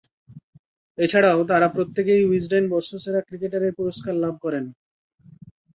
এছাড়াও তারা প্রত্যেকেই উইজডেন বর্ষসেরা ক্রিকেটারের পুরস্কার লাভ করেন।